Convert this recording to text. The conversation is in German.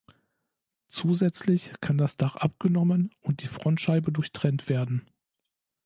Zusätzlich kann das Dach abgenommen und die Frontscheibe durchtrennt werden.